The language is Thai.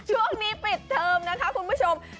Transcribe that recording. ช่วงนี้ปิดเทอมนะคะคุณผู้ชม